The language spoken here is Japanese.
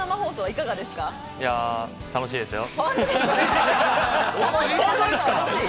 いや、楽しいですよ。